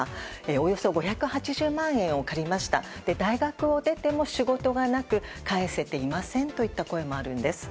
およそ５８０万円を借りました大学を出ても仕事がなく返せていませんといった声もあるんです。